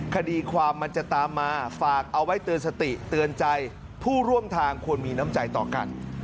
คดีความมันจะตามมาฝากเอาไว้เตือนสติเตือนใจผู้ร่วมทางควรมีน้ำใจต่อกัน